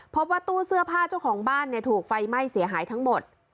พบว่าตู้เสื้อผ้าเจ้าของบ้านเนี่ยถูกไฟไหม้เสียหายทั้งหมด